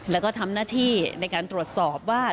แล้วก็ทำหน้าที่ในการตรวจสอบว่า